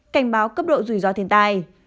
cảnh báo cấp độ rủi ro thiên tai